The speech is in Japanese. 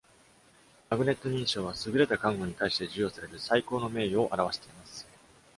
マグネット認証は、優れた看護に対して授与される最高の名誉を表しています。